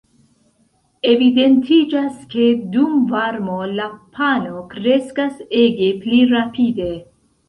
Evidentiĝas ke dum varmo la "pano" kreskas ege pli rapide.